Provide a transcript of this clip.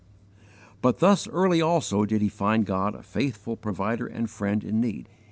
But thus early also did he find God a faithful Provider and Friend in need.